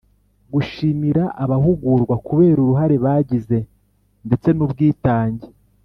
Gushimira abahugurwa kubera uruhare bagize ndetse n ubwitange